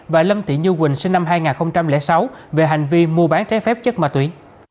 và lâm thị như quỳnh sinh năm hai nghìn sáu về hành vi mua bán trái phép chất ma túy